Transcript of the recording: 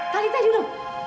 kalian tahu yu kan